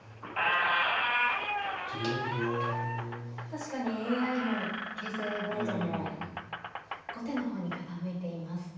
確かにＡＩの形勢ボードも後手の方に傾いています。